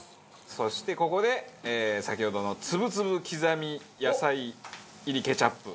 そしてここで先ほどのつぶつぶ刻み野菜入りケチャップ。